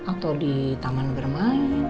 atau di taman bermain